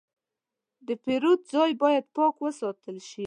د پیرود ځای باید پاک وساتل شي.